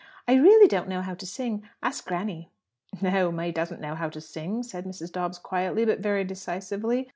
I really don't know how to sing. Ask granny." "No; May doesn't know how to sing," said Mrs. Dobbs quietly, but very decisively.